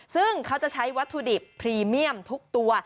ซึ่งเขาจะใช้วัตถุดิบพรีเมียมทุกตัว